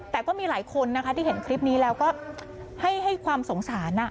แต่ก็มีหลายคนนะคะที่เห็นคลิปนี้แล้วก็ให้ความสงสาร